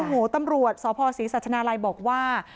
โอ้โหตำรวจสศศิษย์ศาสนาลัยบอกว่า